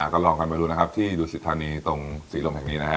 ก็ลองกันไปดูนะครับที่ดูสิธานีตรงศรีลมแห่งนี้นะฮะ